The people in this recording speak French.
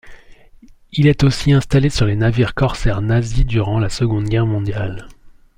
Il est aussi installé sur les navires corsaires nazis durant la Seconde Guerre mondiale.